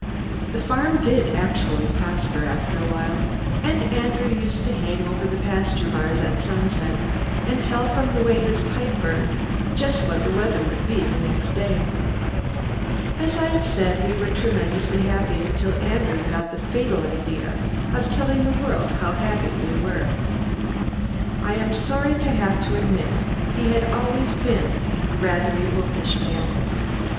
The farm did actually prosper, after a while; and Andrew used to hang over the pasture bars at sunset, and tell, from the way his pipe burned, just what the weather would be the next day. As I have said, we were tremendously happy until Andrew got the fatal idea of telling the world how happy we were. I am sorry to have to admit he had always been rather a bookish man.